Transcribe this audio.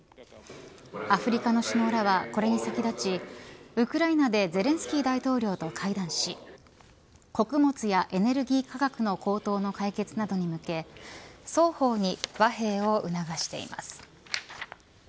アフリカの首脳らはこれに先立ちウクライナでゼレンスキー大統領と会談し穀物やエネルギー価格の高騰の解決などに向け双方に和平を促しています。